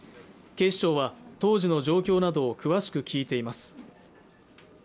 警視庁は当時の状況などを詳しく聞いています